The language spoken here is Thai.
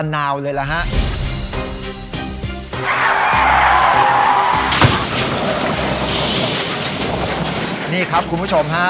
นี่ครับคุณผู้ชมฮะ